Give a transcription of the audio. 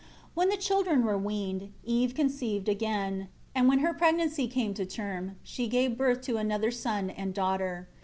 11 When the children were weaned, Eve again conceived, and when her pregnancy came to term, she gave birth to another son and daughter.